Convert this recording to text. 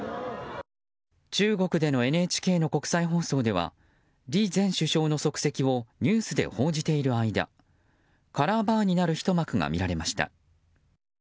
中国でのＮＨＫの国際放送では李前首相の足跡をニュースで報じている間カラーバーになるひと幕が見られました。